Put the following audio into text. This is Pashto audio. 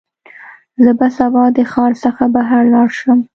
زه به سبا د ښار څخه بهر لاړ شم.